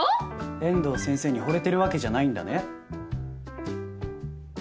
遠藤先生にほれてるわけじゃないんだね？